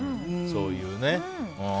そういうね。